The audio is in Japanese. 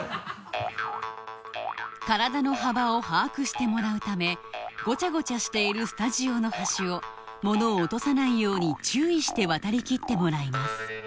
体の幅を把握してもらうためごちゃごちゃしているスタジオの端を物を落とさないように注意して渡りきってもらいます